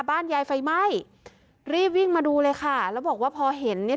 บ้านยายไฟไหม้รีบวิ่งมาดูเลยค่ะแล้วบอกว่าพอเห็นเนี่ย